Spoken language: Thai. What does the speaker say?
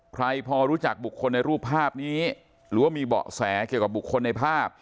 ใครพอรู้จักบุคคลในรูปภาพนี้หรือว่ามีเบาะแสเกี่ยวกับบุคคลในภาพ